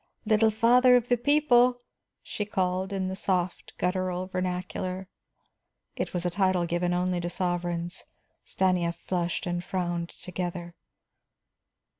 "Little Father of the People!" she called in the soft, guttural vernacular. It was a title given only to sovereigns; Stanief flushed and frowned together.